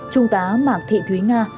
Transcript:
trung tá mạc thị thúy nga